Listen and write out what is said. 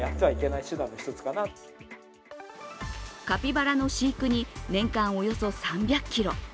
カピバラの飼育に年間およそ３００ｋｇ。